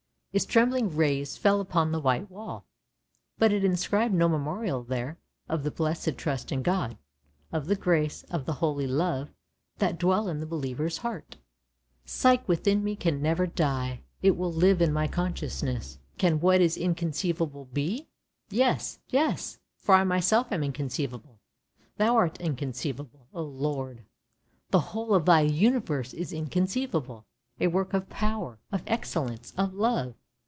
Its trembling rays fell upon the white wall, but it inscribed no memorial there of the blessed trust in God, of the grace, of the holy love, that dwell in the believer's heart. " Psyche within me can never die — it will live in conscious ness! Can what is inconceivable be? Yes, yes! For I myself am inconceivable. Thou art inconceivable, O Lord! The whole of Thy universe is inconceivable — a work of power, of excellence, of love!